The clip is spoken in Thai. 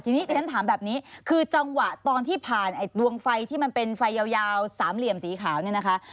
ทีนี้เดี๋ยวฉันถามแบบนี้คือจังหวะตอนที่ผ่านไอ้ดวงไฟที่มันเป็นไฟยาวสามเหลี่ยมสีขาวเนี่ยนะคะ